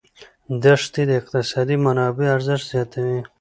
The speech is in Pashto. دښتې د اقتصادي منابعو ارزښت زیاتوي.